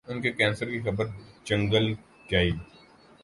ان کے کینسر کی خبر جنگل کی